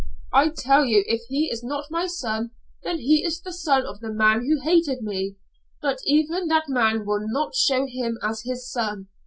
"I tell you if he is not my son, then he is the son of the man who hated me but even that man will not own him as his son.